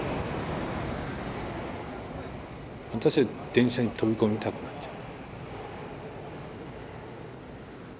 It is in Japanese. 私は電車に飛び込みたくなっちゃう。